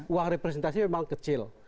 uang representasi memang kecil